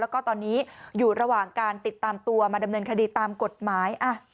แล้วก็ตอนนี้อยู่ระหว่างการติดตามตัวมาดำเนินคดีตามกฎหมาย